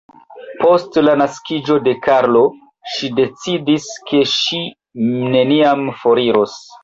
Post la naskiĝo de Karlo, ŝi decidis, ke ŝi neniam foriros.